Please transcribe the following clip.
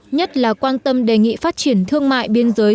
nhất là quan tâm đề nghị phát triển thương mại biên giới